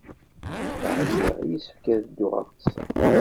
Ɛyiɣ. Yessefk ad dduɣ ad ḍḍseɣ.